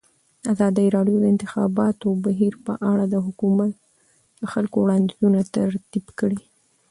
ازادي راډیو د د انتخاباتو بهیر په اړه د خلکو وړاندیزونه ترتیب کړي.